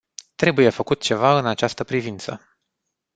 Trebuie făcut ceva în această privință.